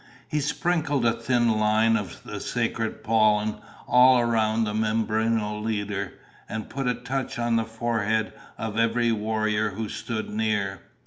He sprinkled a thin line of the sacred pollen all around the Mimbreno leader and put a touch on the forehead of every warrior who stood near.